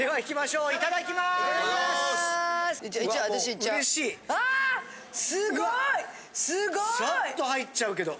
うわっサッと入っちゃうけど。